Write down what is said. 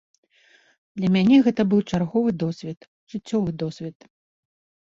Для мяне гэта быў чарговы досвед, жыццёвы досвед.